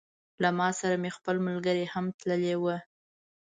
له ما سره مې خپل ملګري هم تللي وه.